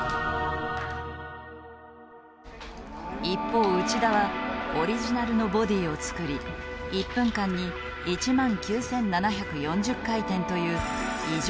一方内田はオリジナルのボディーを作り１分間に１万９，７４０回転という異常なスペックのモーターを詰め込む。